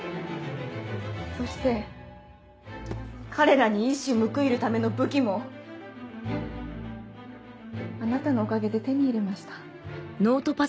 そして彼らに一矢報いるための武器もあなたのおかげで手に入れました。